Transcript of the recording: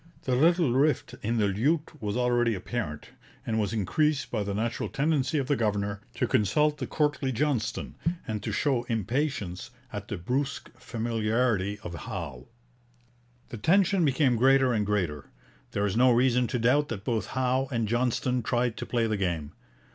The little rift in the lute was already apparent, and was increased by the natural tendency of the governor to consult the courtly Johnston, and to show impatience at the brusque familiarity of Howe. The tension became greater and greater. There is no reason to doubt that both Howe and Johnston tried to play the game.